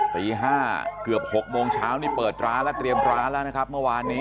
ตี๕เกือบ๖โมงเช้านี่เปิดร้านและเตรียมร้านแล้วนะครับเมื่อวานนี้